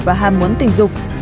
và ham muốn tình dục